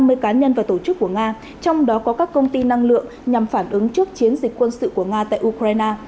hai mươi cá nhân và tổ chức của nga trong đó có các công ty năng lượng nhằm phản ứng trước chiến dịch quân sự của nga tại ukraine